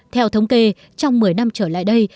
theo thống kê trong một mươi năm trở lại đây